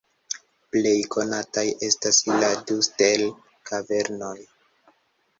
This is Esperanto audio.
Plej konataj estas la du Sterl-kavernoj.